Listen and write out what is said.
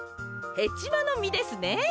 ヘチマのみですね。